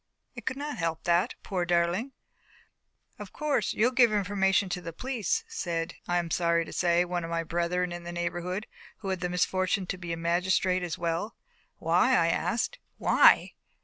It could not help that, poor darling! "Of course, you'll give information to the police," said, I am sorry to say, one of my brethren in the neighbourhood, who had the misfortune to be a magistrate as well. "Why?" I asked. "Why!